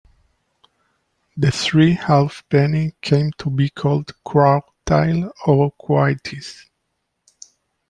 The three halfpenny came to be called "quartile" or "quatties.